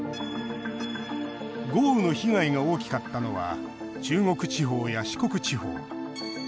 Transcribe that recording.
豪雨の被害が大きかったのは中国地方や四国地方。